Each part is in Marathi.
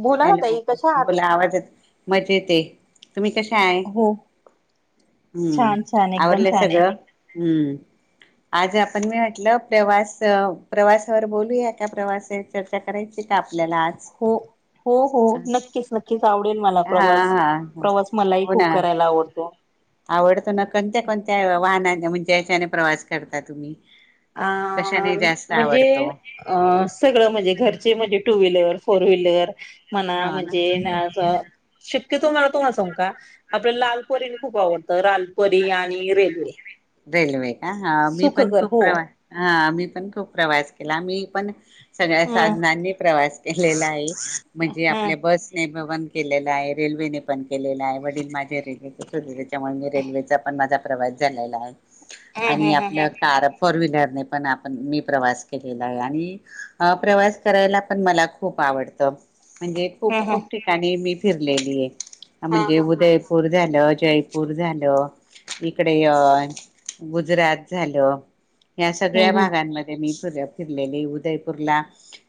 बोला ना हॅलो ताई कशा आहात? बोला आवाजेत मजेत आहे तुम्ही कशा आहे हो हम्म छान छान एकदम आवरलंय छान आहे. सगळं हम्म आज आपण मी म्हटलं प्रवास प्रवासावर बोलूया का प्रवास चर्चा करायची का? आपल्याला आज हो हो हो हा नक्कीच नक्कीच आवडेल मला प्रवास हा प्रवास मलाही हो ना खूप करायला आवडतो. आवडतो ना कोणत्या कोणत्या वाहना उद्देशाने प्रवास करता तुम्ही अ कशाने जास्त म्हणजे आवडतो सगळं म्हणजे घरचे म्हणजे टू व्हीलर फोर व्हीलर म्हणा म्हणजे ना असं, शक्यतो मला तुम्हा सांग का आपल्या लालपरीने खूप आवडतं लालपरी आणि रेल्वे... रेल्वे का मी पण सुखकर खूप हो. प्रवास... हा मी पण खूप प्रवास केला मी पण... सगळ्या हम्म साधनांनी प्रवास... केलेला आहे... म्हणजे हम्म आपल्या बसने.. केलला आहे रेल्वेने पण... केलेला आहे वडील माझे रेल्वेतच होते त्याच्यामुळे मी रेल्वेचा पण माझा.... प्रवास झालेला आहे. हम्म आणि हम्म आपल्याला हम्म दरात... फोर व्हीलरने पण आपण मी प्रवास केलेला आहे आणि प्रवास करायला पण मला खूप आवडतं. म्हणजे खूप हम्म खूप ठिकाणी मी... फिरलेल... हम्म म्हणजे हम्म हम्म उदयपूर झालं... जयपूर झालं इकडे... गुजरात झालं... या सगळ्या भागांमध्ये मी... सगळं फिरलेली उदयपूरला....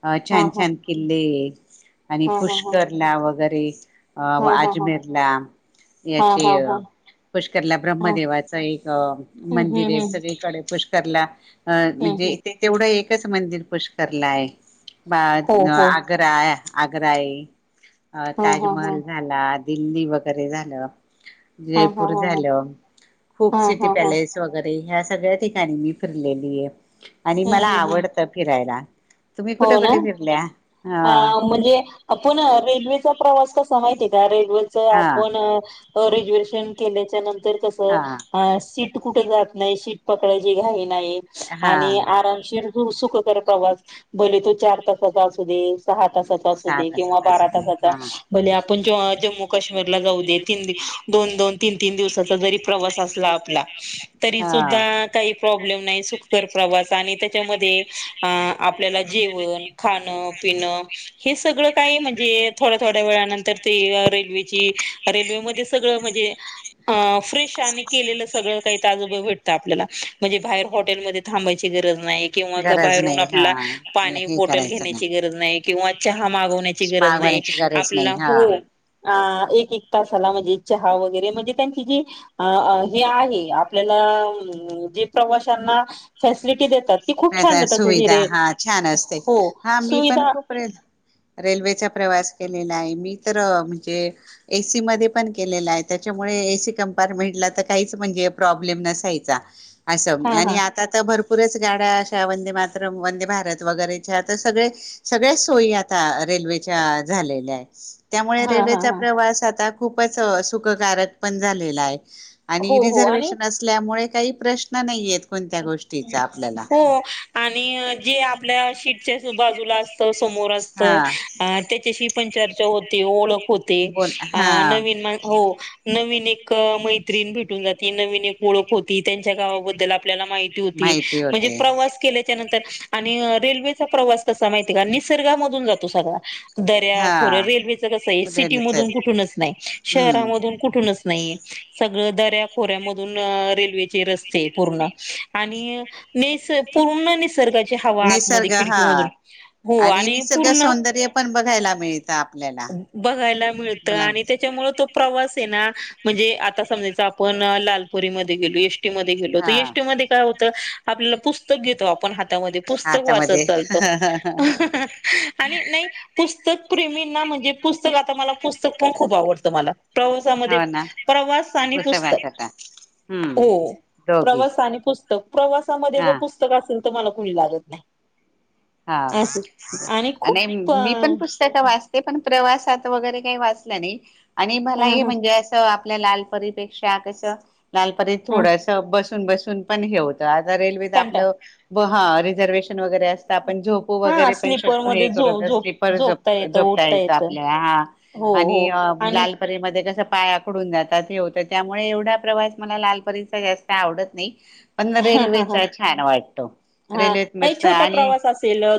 अ हम्म छान हम्म हम्म छान किल्ले... [unintelligible] आणि हम्म हम्म हम्म पुष्करला वगैरे... तेे... अ हम्म हम्म अजमेरला हा याचे हा हा पुष्करला हा ब्रहम्मदेवाच एक... हम्म मंदिर हम्म आहे हम्म सगळीकडे... पुष्करला.... अ हम्म हम्म म्हणजे ते तेवढं एक... च मंदिर पुष्कर ला आहे... बा हो हो आग्रा आग्रा आहे अ हा हा हा ताजमहल झाला. दिल्ली वगैरे झालं.. हा हा जयपूर हा हा झालं खूप हा हा सिटी... हा हा पॅलेस वगैरे ह्या सगळ्या ठिकाणी मी फिरलेली आहे आणि हम्म मला हम्म हम्म आवडतं फिरायला तुम्ही कुठे हो कुठे ना फिरल्या हा म्हणजे आपण रेल्वेचा प्रवास कसा सयटर वच हा आपण ग्रेज्युएशन केल्याच्या नंतर कस हा कुठे जात नाही शीट पकडयचीे घाई हा आणि आराम प्रवास बोल तू चार तासचा असू देस सहा तासाचा असू दे सात किंवा असत बारा असले तासाचा हा भले आपण जम्मू काश्मीरला जाऊ दे तीन दोन दोन तीन तीन दिवसाचा जरी प्रवास असला आपला तरी हा सुद्धा काही प्रॉब्लेम नाही सुखकर प्रवास आणि त्याच्यामध्ये जेवण खाणं पिण हे सगळं काही म्हणजे थोड्या थोड्या वेळानंतर ते रेल्वेची रेल्वेमध्येध्ये सगळं म्हणजे फ्रेश आणि केलेलं सगळं काहीजोबा भेटतं आपल्याला म्हणजे बाहेर हॉटेलमध्येथांबायची गरज नाही किंवा घ गरज बाहेरून नाही हा आपला पाणी हे बोटल करायचं घेण्याची गरज नाही किंवा च नाही मागवण्याची गरज आप नाही हा अ एक एक तासाला म्हणजे चहा वगैरे म्हणजे त्यांची जी हे आहे आपल्याला जे प्रवाशांना फॅसिलिटी देतात ती खूप छान नाही देत अस सुविधा हिरे हा छान असते हो हा मी पण सुविधा खूपे रेल्वेचा प्रवास केलेला आहे मी तर म्हणजे एसी मध्ये पण केलेला आहे त्याच्यामुळे एसी कं्पार्टमेंटला तर काहीच म्हणजे प्रॉब्लेम नसायचा असं हा हा आणि आता तर भरपूर पुरेसे जाड्या अशा वंदे मातरम् वंदे भारत वगैरेच्या आता सगळे सगळ्या सोयी आता रेल्वेच्या झालेल्या आहेत त्यामुळे हा हा रेल्वेचा हा प्रवास आता खुपच सुखकारक पण झालेला आहे आणी हो हो आणि रिझर्वेशन असल्यामुळे काही प्रश्न नाहीयेत कोणत्या गोष्टीचा. हो, आणी जे आपल्या शीट च्या जो बाजूला असतो, समोर असत हा आ त्याच्याशी पण चर्चा होती. ओळख होते. बोल आ हा नवीन मा हो, नवीन एक मैत्रीण भेटून जाती. नवीन एक ओळख होती. त्यांच्या गावाबद्दल आपल्या आपल्याला माहिती होती. माहिती म्हणजे होते प्रवास केल्याच्या न तर आणि रेल्वेचा प्रवास कसा माहिती आहे का, निसर्गामधून जातो सगळा. दर्या हा खोरं. रेल्वेचं कसं आहे उद्याला सिटीमधून चल कुठूनच नाही, हम्म शहरामधून कुठूनच नाही. सगळं दऱ्या खोऱ्यामधून रेल्वेचे रस्ते पूर्ण. आणि निस पूर्ण निसर्गाच्या निसर्ग हा. हो आणि निसर्ग पूर्ण सौंदर्य पण बघ घयला मिळतं ना बघायला मिळत आणि त्याच्यामुळे तो प्रवास ना. म्हणजे आता समजायच आपण लालपरीमध्ये गेलो एस टी मध्ये गेलो. त हा एस टी मध्ये काय होत? आपल्याला पुस्तक घेतो आपण ह तामध्ये. पुस्तक हातामध्ये वाचत चालत आणि नाही पुस्त [unintelligible] ना म्हणजे पुस्तक आता मला पुस्तक पण खूप आवडतं मला प्रवासामध्ये. हो ना प्रवास आणि पुस्तक, हम्म हो दोघी प्रवास आणि पुस्तक. प्रवासामध्ये जर हा पुस्तक असल, त मला कुणी लागत नाही. हा असे आणि खूप अ मी पण पुस्तक वाचते, पण प्रवासात वगैरे काही वाचलं नाही. आणि हा मला हे हा म्हणजे असं आपल्या लालपरीपेक्षा कस लालपरीत हा थोडसा बस सून बसून पण हे होत. आता रेल्वेेत कंटाळ आपलं हा रिझर्वेशन वगैरे अस पण झोपू हा वगैरे पण स्लीपर शकतो. मध्ये हे झो कर झोप स्लीपर येतं झोपता उठता येतं आपल्या. हा, हो हो आणि आणि लालपरी मध्ये कस पायाकडून जातात हे होतं. त्यामुळे एवढा प्रवास मला लालपरीचा जास्त आवडत नाही. पण हा हा हा रेल्वेचा छान वाटतो. हा रेल्वेेत नाही मस्त छोटा आणि प्रवास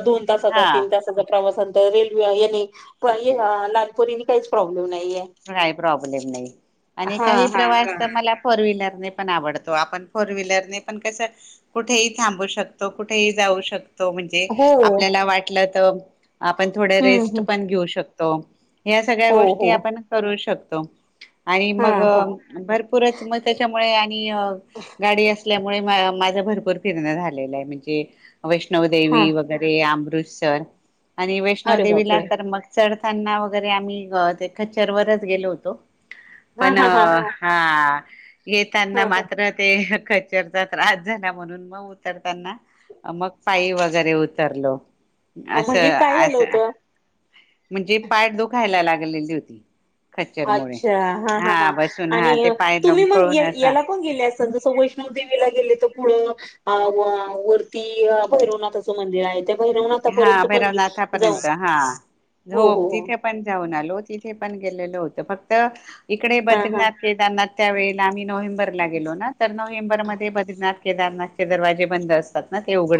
दोन तासाचा हा तीन तासाचा प्रवासाने तर रेल्वे याने प या लालपरीने काहीच प्रॉब्लेम नाही. काही प्रॉब्लेम नाही आणि हा काही हा प्रवास हा तर मला फोर व्हीलर पण आवडतो. आपण फोर व्हीलर न पण कस कुठेही थांबू शकतो. कुठेही जाऊ शकतो. तो म्हणजे हो आपल्याला वाटलं त आपण थोड्या हम्म रेस्ट हम्म पण घेऊ शक तो या सगळ्या हो गोष्टी हो आपण करू शकतो. आणि हा मग हा भरपूरच मग त्याच्यामुळे आणि गाडी अस असल्यामुळे म माझ भरपूर फिरण झालेला आहे. म्हणजे हा वैष्णवदेवी वगैरे आं दृस्यर आणि वैष्णव अरे देवीला बापरे तर मग चढ त्यांना वगैरे आम्ही अ ते खच शर्वरच गेलो होतो. पण हा येताना हा मात्र ते कचरचा त्रास झाला. म्हणून मग उतरताना मग पायी वगैरे उतरलो. अ म्हणजे असं काय झालं असं होतं. म्हणजे पाठ दुखायला लागलेली होती. खच्चरमुळे अच्छा हा हा हा बसून आणि हा ते पाय तुम्ही मग लमकळून या असा याला पण गेले असाल जसं वैष्णव देवीला गेले त अ वा वरती भैरवनाथचं मंदिर आहे. हा भैरवनाथापर्यंत पण गे- जाऊ भैरवनाथापर्यंत हा हो झोप हो हो तिथे पण जाऊन आलो. तिथे पण गेलेल होतं. फक्त इकडे हा हा बद्रीनाथ केदारनाथ त्यावेळेला आम्ही नोव्हेंबरला गेलो ना तर नोव्हेंबर मध्ये बद्रीनाथ केदारनाथचे दरवाजे बंद अस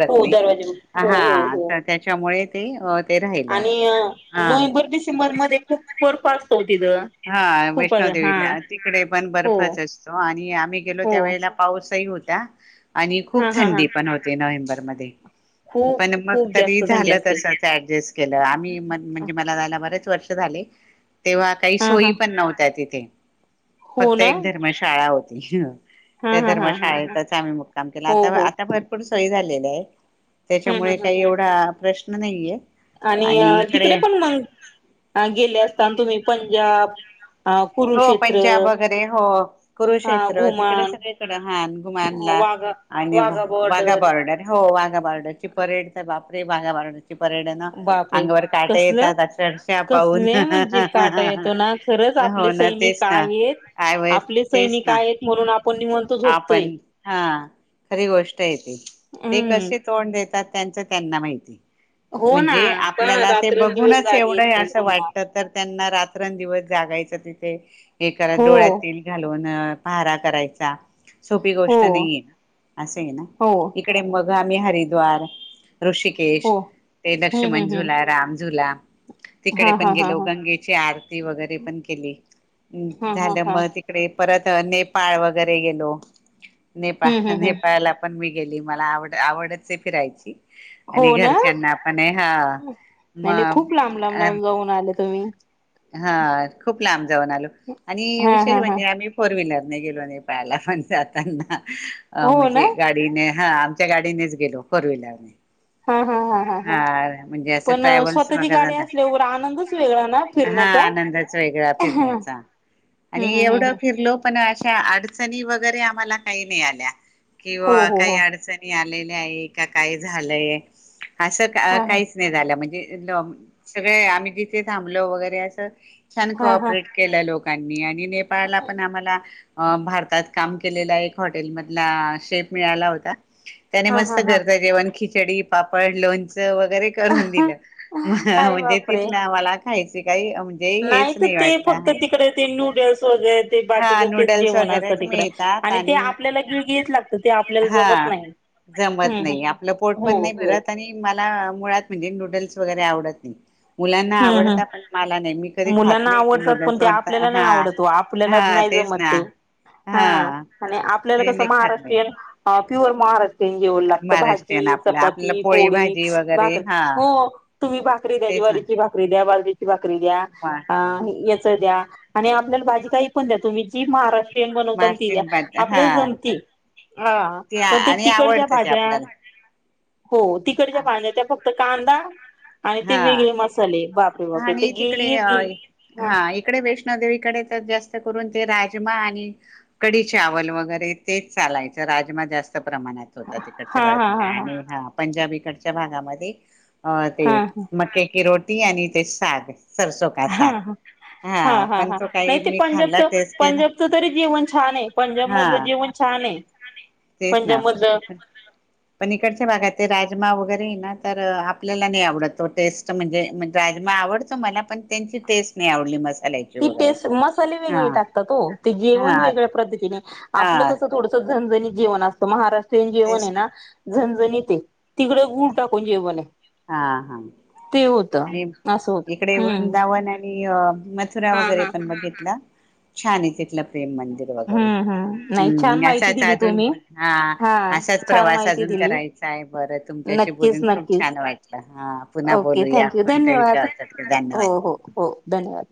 हो दरवाजे हो हो तर हो त्याच्यामुळे ते अ ते राहिलं आणि हा नोव्हेंबर डिसेंबर मध्ये खूप बर्फ असतो तिथं हा खूप अ, हा वैष्णोदेवीला तिकडे पण हो बर्फच असतो आणि आम्ही गेलो हो त्यावेेळेला पाऊसही होता. का? आणि हा खूप हा हा थंडी पण होते नोव्हेंबर च्यामध्ये खूप पण मग खूप तरी जास्त थंडी झालं असते तस एडजस् केलं आम्ही म्हणजे मला जायला ब वर्ष झाले, तेव्हा काही हा सोयी हा पण नव्हत्या तिथं ते हो फक्त ना एक धर्मशाळा होती. [inaudible] हा त्या हा हा हा हा. धर्मशाळेतच आम्ही मुक्काम केला हो आता हो आता भरपूर सोय झाली. काय? हम्म त्याच्यामुळे हम्म हम्म काही एवढा प्रश्न नाही ये आणि तिकडे पण मग गेले असता तुम्ही पण या हो पंजाब वगैरे हो हा कुरुक्षेत्र तिकडे घुमान सगळीकडे हा घुमानला वाघा आणि वाघा वाघा बॉर्डर हो वाघा बॉर्डरची परेड तर बाप रे वाघा बॉर्डर परेड ना बापरे अंगावर काटे कसलं येतात अक्षरश पाहून कसले हाह म्हणजे हा काटा हह येतो ना खरंच हा हा आपले सैनिक आहेत आपले तेच सैनिक ना आहेत म्हणून आपण निवांत झोपतोय. आपण हा खरी गोष्ट आहे. ते हम्म कसे तोंड देतात. त्यांच त्यांना माहिती. हो ना म्हणजे पण आपल्याला ते रात्रंदिवस बघूनच जागे येत एवढं ते असं पूर्ण वाटत तर त्यांना रात्र दिवस जागायच तिथे हे करा हो डोळ्यात तेल घालून अ पहारा करायचा सोपी हो गोष्ट नाही आहे असे ये ना हो इकडे मग गामी हरिद्वार ऋषिकेश हो ते हम्म लक्ष्मण हम्म हम्म झुला रामझुला तिकडे हा पण हा हा गेलो हा गंगेची आरती वगैरे पण ् हा हा झाल्या हा म तिकडे. परत नेपाळ वगैरे गेलो. नेपा हम्म हम्म हम्म नेपाळला पण. गेली मला आवड आवडच आहे फिरायची. हो आणि ना घरच्यांना पण हा नाही नाही मग खूप लांब लांब लावून जाऊन आले तुम्ही. हा खूप लांब जाऊन आलो, आणि हा विशेष हा हा म्हणजे आम्ही फोर व्हीलर. नाही गेलो नाही पाहायला पण जाताना अ हो ना म्हणजे गाडीने. हा आमच्या गाडीनेच गेलो, फोर व्हीलरने. हा म्हणजे असं पण ट्रॅव्हल्स स्वतःची वगैरे गाडी ना असल्यावर आनंदच वेगळा ना हा फिरण्याचा आनंदच वेगळा हम्म फिरण्याचा आणि हम्म एवढं हम्म फिरलो. पण अशा अडचणी वगैरे आम्हाला काही नाही, आल्या. हो किंवा हो काही हो अडचणी आले. नाही का काय झालंय. असं हा हा काहीच नाही झालं म्हणजे. सगळे आम्ही जिथे थांबलो वगैरे असं छान हा कऑपरेट केलं लोक कन्या आणि नेपाळला पण आम्हाला. अ भारतात काम केलेला एक हॉटेलमधला शेप मिळाला होता. त्याने हा हा हा मस्त हा घरचं जेवण खिच जडी पाप फड लोन वरे दि अरे म्हणजे तिथ बापरे म ह्यायच काही. म्हणजे नाही हेच तर ते वाटलं. फक्त तिकडे ते न्यूडल्स वगैरे ते हा बाकीच तेच नूडल्स जेवण असतं वगैरेच तिकडं मिळतात ते आणि आपल्याला गिळगिळीत लागतं ते आपल्याला हा जमत नाही जमत हम्म नाही हम्म आपलं पोट हो पण नाही हो भरत आणि मला मुळात म्हणजे नूडल् वगैरे आवडत नाही. मुलांना हम्म आवडता हम्म पण मला नाही मी कधी खात मुलांना नाही ते आवडतात पण नूडलस मुच आपल्याला नाही आवडत ओ आपल्याला हा हा नाही तेच जमत ना ते हा आणि आपल्याला ते कसं नाही खात नाही महाराष्ट्रियन प्युअर महाराष्ट्र तेन जेवण लागत महाराष्ट्रीयन भाजी, आपलं आपल्याला चपाती, पोळी भाजी वगैरे भाकरी हा हो तुम्ही भाकरी दया तेच ना ज्वारी एकदा भाजली की भाकरी [unintelligible] दया लोणच द्या आणि आपल्याला भाजी काही पण द्या तुम्ही जी महारा ष्ट्रियन बनवताना. ती द्या महाराष्ट्रीयन भाजी हा आपल्या जमती हा पण ते आणि तिकडच्या आवडतं ते भाज्या आपल्याला हो तिकडच्या भाज्या त्या फक्त कांदा आणि ते हा वेगळे मस आणि तिकडे हा इकडे वैष्णोदेवीकडे तर जास्त तिथं करून ते रहायचे म आणि कडी चावल वगैरे तेच चालायच राजमा जास्त प्रमाणात होता तिकडच्या हा बाजूला हा आणि हा पंजाबी तिकडंच्या भागामध्ये हा ते मक्के की रोटी ती आणि ते सागस हा, हा, हा, हा, पण हा तो काही नाही ते मी खाल्ला पंजाबच टेस्ट केला पंजाबचं तरी जेवण छान आहे पंजाब मधलं हा जेवण छानयं. तेच ना पण इकडच्या भागात ते राजमा वगैरे तर आपल्याला नाही आवडतो टेस्ट म्हणजे राजमा आवडतो मला पण त्यांची टेस्ट नाही आवडली मस् ती टेस्ट मसाले वेगळे टाकतात ओ ते जेवण हा वेगळ्या पद्धतीने आपलं हा कस थोडस झणझणी जेवण आसत महाराष्ट ष्ट्रियन जेवण हे ना झणझणीतयं तिकड गुळ टाकून जेवण हा, हा ते होतं आणि असं होत इकडे हम्म वृदावन [unintelligible] मथुरा हा वगैरे हा हा पण बघितलं छान आहे तिथलं प्रेम मंदिर वगैरे हम्म हम्म नाही छान हम् माहिती असाच दिली अजून तुम्ही पण हा असाच छान प्रवास माहिती अजून दिली करायचा आहे बरं तुमच्याशी नक्कीच बोलून खूप नक्कीच छान व्हाट - - ओके थँक यू. धन्यवाद. विषयावर हो, धन्यवाद हो, हो. धन्यवाद.